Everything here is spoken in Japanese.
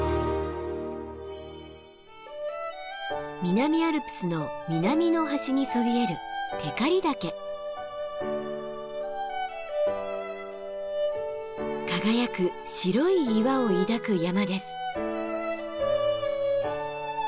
南アルプスの南の端にそびえる輝く白い岩を抱く山です。